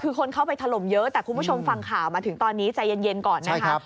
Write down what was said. คือคนเข้าไปถล่มเยอะแต่คุณผู้ชมฟังข่าวมาถึงตอนนี้ใจเย็นก่อนนะครับ